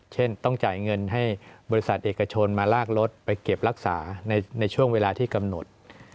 เช่นต้องจ่ายเงินให้บริษัทเอกชนมาลากรถไปเก็บรักษาในช่วงเวลาที่กำหนด